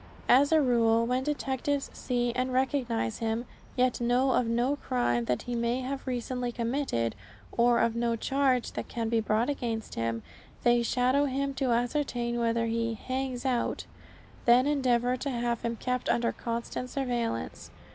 As a rule, when detectives see and recognize him, yet know of no crime that he may have recently committed, or of no charge that can be brought against him, they shadow him to ascertain where he "hangs out"; then endeavor to have him kept under constant surveillance.